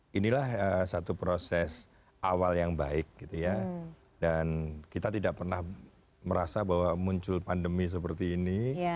inilah satu proses awal yang baik gitu ya dan kita tidak pernah merasa bahwa muncul pandemi seperti ini